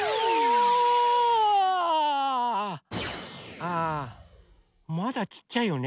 あまだちっちゃいよね。